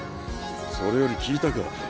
それより聞いたか？